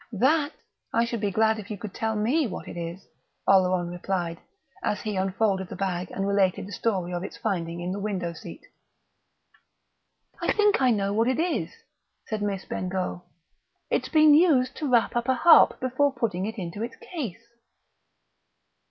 "That? I should be glad if you could tell me what it is," Oleron replied as he unfolded the bag and related the story of its finding in the window seat. "I think I know what it is," said Miss Bengough. "It's been used to wrap up a harp before putting it into its case."